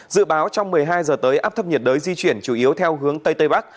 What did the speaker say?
dự báo trong một mươi hai giờ tới áp thấp nhiệt đới di chuyển chủ yếu theo hướng tây tây bắc